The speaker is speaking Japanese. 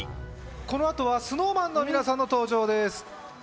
このあとはＳｎｏｗＭａｎの皆さんの登場です